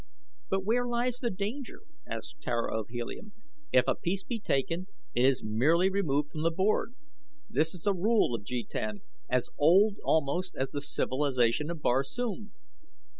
"But where lies the danger?" asked Tara of Helium. "If a piece be taken it is merely removed from the board this is a rule of jetan as old almost as the civilization of Barsoom."